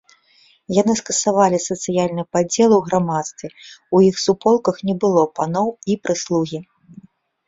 Яны скасавалі сацыяльны падзел у грамадстве, у іх суполках не было паноў і прыслугі.